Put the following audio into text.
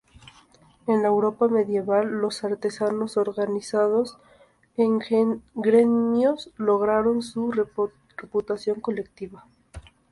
En la Europa medieval, los artesanos organizados en gremios lograron su reputación colectiva.